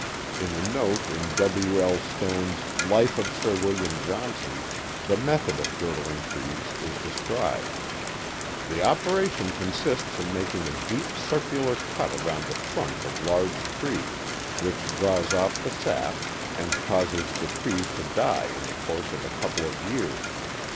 In a note in W. L. Stone's Life of SirWilliam JohnKm son, the method of gridling trees is described :^| The operation consists in making a deep circular cut around the trunk of large trees, which draws off the sap and causes the trees to die in the course of a couple of years.